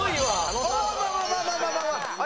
まあまあまあまあ！